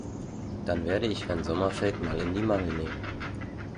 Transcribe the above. Dann werde ich Herrn Sommerfeld mal in die Mangel nehmen.